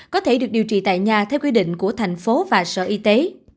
có thể được điều trị tại nhà theo quy định của thành phố và sở y tế